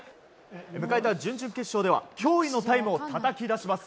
迎えた準々決勝では驚異のタイムをたたき出します。